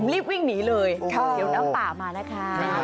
รีบวิ่งหนีเลยเดี๋ยวน้ำป่ามานะคะ